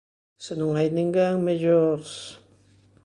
Se non hai ninguén, mellor...